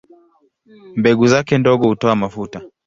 Mbegu zake ndogo hutoa mafuta.